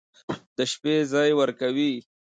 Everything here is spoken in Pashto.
د شپې ځاى وركوي.